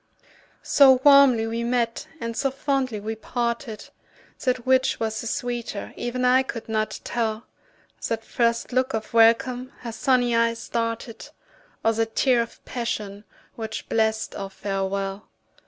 So warmly we met and so fondly we parted, That which was the sweeter even I could not tell, That first look of welcome her sunny eyes darted, Or that tear of passion, which blest our farewell.